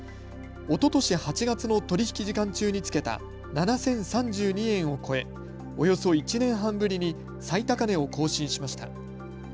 おととし８月の取り引き時間中につけた７０３２円を超えおよそ１年半ぶりに最高値を更新しました。